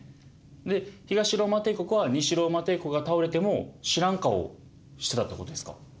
で東ローマ帝国は西ローマ帝国が倒れても知らん顔してたってことですか？